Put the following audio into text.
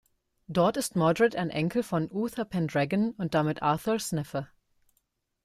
Dort ist Mordred ein Enkel von Uther Pendragon und damit Arthus' Neffe.